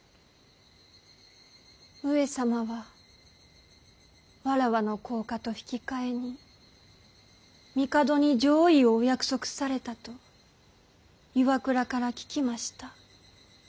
上様は妾の降嫁と引き換えに帝に攘夷をお約束されたと岩倉から聞きました。